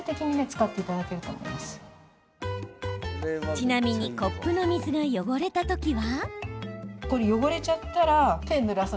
ちなみにコップの水が汚れた時は。